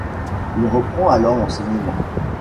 Il reprend alors l'enseignement.